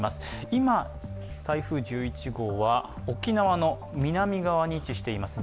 今、台風１１号は沖縄の南側に位置しています。